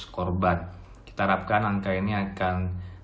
delapan ratus korban kita harapkan angka ini akan